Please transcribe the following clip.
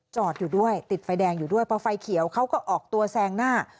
จอดอยู่ด้วยติดไฟแดงอยู่ด้วยพอไฟเขียวเขาก็ออกตัวแซงหน้า